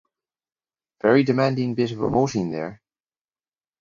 Very demanding bit of emoting there.